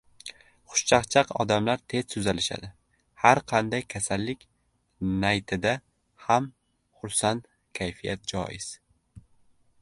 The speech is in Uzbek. Xushchaqchaq odamlar tez tuzalishadi, har qanday kasallik naytida ham xursand kayfiyat joiz.